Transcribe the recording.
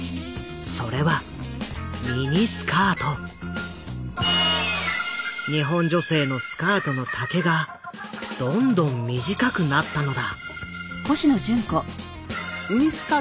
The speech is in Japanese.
それは日本女性のスカートの丈がどんどん短くなったのだ。